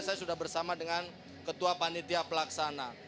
saya sudah bersama dengan ketua panitia pelaksana